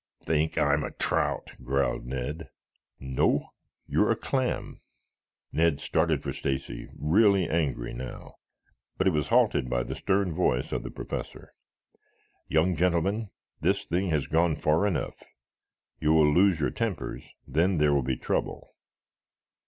"Think I'm a trout?" growled Ned. "No, you're a clam." Ned started for Stacy, really angry now, but he was halted by the stern voice of the Professor. "Young gentlemen, this thing has gone far enough. You will lose your tempers, then there will be trouble."